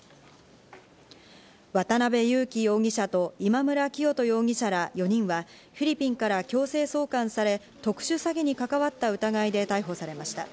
渡辺優樹容疑者と今村磨人容疑者ら４人は、フィリピンから強制送還され、特殊詐欺に関わった疑いで逮捕されました。